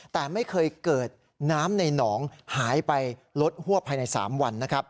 แต่ไม่เคยเกิดน้ำในหนองหายไปลดหัวภายใน๓วันนะครับ